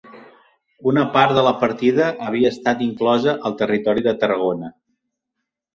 Una part de la partida havia estat inclosa al Territori de Tarragona.